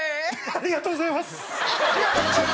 「ありがとうございます」じゃない。